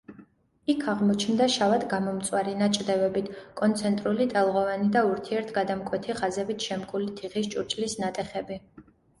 იქ აღმოჩნდა შავად გამომწვარი, ნაჭდევებით, კონცენტრული ტალღოვანი და ურთიერთგადამკვეთი ხაზებით შემკული თიხის ჭურჭლის ნატეხები.